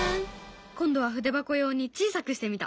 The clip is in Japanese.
今度は筆箱用に小さくしてみた！